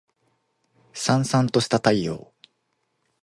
燦燦とした太陽